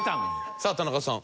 さあ田中さん。